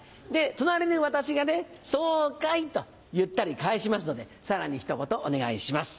隣の私が「そうかい」とゆったり返しますのでさらにひと言お願いします。